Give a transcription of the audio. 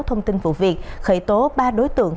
thông tin vụ việc khởi tố ba đối tượng